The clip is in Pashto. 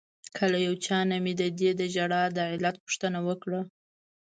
له یو چا نه مې ددوی د ژړا د علت پوښتنه وکړه.